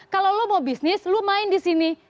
kalau lo mau bisnis lo main di sini